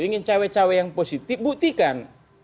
ingin cawe cawe yang positif buktikan